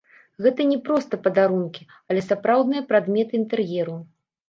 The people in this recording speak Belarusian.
Гэта не проста падарункі, але сапраўдныя прадметы інтэр'еру!